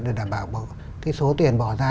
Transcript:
để đảm bảo số tiền bỏ ra